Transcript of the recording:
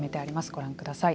ご覧ください。